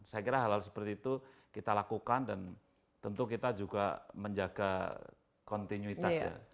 saya kira hal hal seperti itu kita lakukan dan tentu kita juga menjaga kontinuitas ya